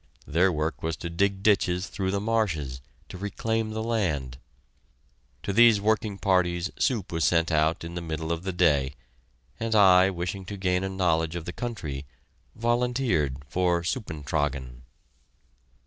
Their work was to dig ditches through the marshes, to reclaim the land. To these working parties soup was sent out in the middle of the day, and I, wishing to gain a knowledge of the country, volunteered for "Suppentragen."